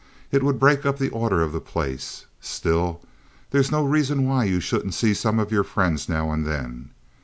It would break up the order of the place. Still, there's no reason why you shouldn't see some of your friends now and then.